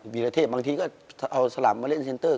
วีรเทพบางทีก็เอาสลับมาเล่นเซ็นเตอร์